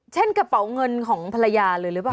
กระเป๋าเงินของภรรยาเลยหรือเปล่า